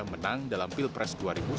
menang dalam pilpres dua ribu sembilan belas